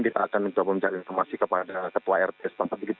mungkin kita akan mencari informasi kepada kepua rts